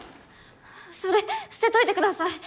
それ捨てといてください。